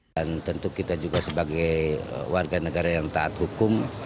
dan tentu kita juga sebagai warga negara yang taat hukum